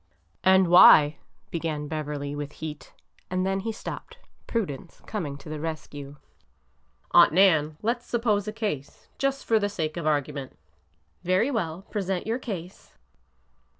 '' And why—" began Beverly, with heat, and then he stopped— prudence coming to the rescue. " Aunt Nan, let 's suppose a case— just for the sake of argument." Very well. Present your case."